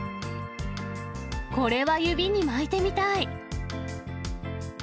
これは指に巻いてみたい。